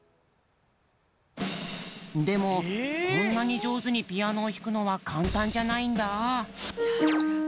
でもこんなにじょうずにピアノをひくのはかんたんじゃないんだ。